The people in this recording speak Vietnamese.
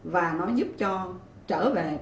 và nó giúp cho trở về